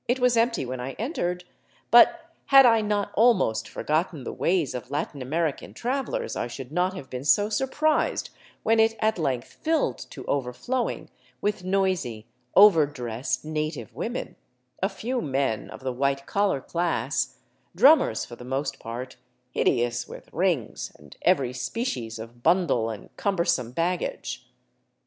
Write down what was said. It was empty when I entered, but had I not almost forgotten the ways of Latin American travelers, I should not have been so surprised when it at length filled to overflowing with noisy, over dressed native women, a few men of the white collar class, drummers for the most part, hideous with rings, and every species of bundle and cumbersome baggage.